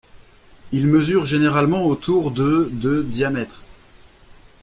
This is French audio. Ils mesurent généralement autour de de diamètre.